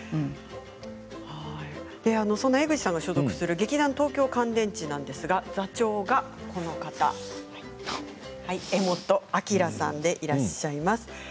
そんな江口さんが所属する劇団東京乾電池なんですが座長がこの方柄本明さんでいらっしゃいます。